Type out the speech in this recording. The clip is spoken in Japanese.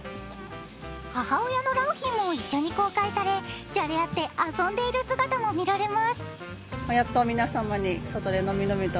母親の良浜も一緒に公開されじゃれ合って遊んでいる姿も見られます。